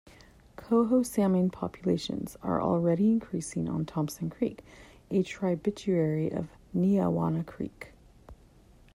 Coho salmon populations are already increasing on Thompson Creek, a tributary of Neawanna Creek.